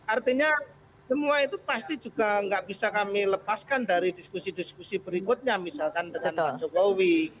artinya semua itu pasti juga nggak bisa kami lepaskan dari diskusi diskusi berikutnya misalkan dengan pak jokowi